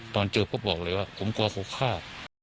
ตอนเจอปุ๊บบอกเลยว่าผมกลัวเขาฆ่า